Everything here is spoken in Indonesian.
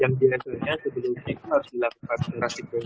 yang biasanya sebelumnya itu harus dilakukan secara sepenciel